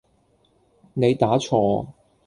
你打錯